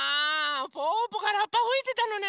ぽぅぽがラッパふいてたのね。